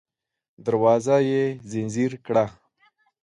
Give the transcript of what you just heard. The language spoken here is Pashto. دروازه يې ځنځير کړه.